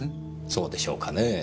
そうでしょうかねぇ。